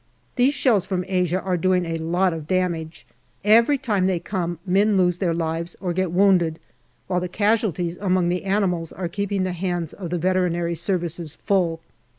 These shells from Asia are doing a lot of damage ; every time they come, men lose their lives or get wounded, while the casualties among the animals are keeping the hands of the Veterinary Services full.